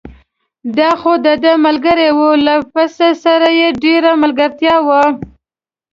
دا خو دده ملګری و، له پسه سره یې ډېره ملګرتیا وه.